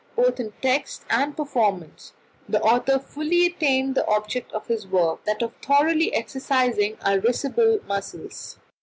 Both in text and performance the author fully attained the object of his work that of thoroughly exercising our risible muscles.